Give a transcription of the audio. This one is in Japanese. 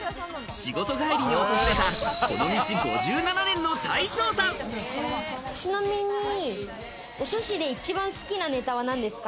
仕事帰りに訪れたこの道５７ちなみに、お寿司で一番好きなネタは何ですか？